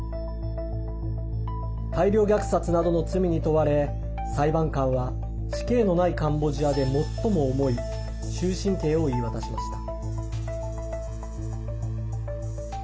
大量虐殺などの罪に問われ裁判官は、死刑のないカンボジアで最も重い終身刑を言い渡しました。